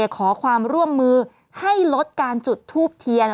ขอความร่วมมือให้ลดการจุดทูบเทียน